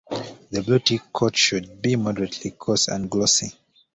The Bluetick coat should be moderately coarse and glossy.